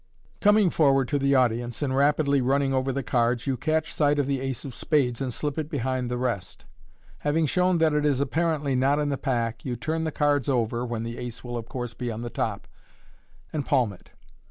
Coming forward to the audience, and rapidly running over the cards, you catch sight of the ace of spades, and slip it behind the rest. Having shown that it is, apparently, not in the pack, you turn the cards over (when the ace will, of course, be on the top), and palm it.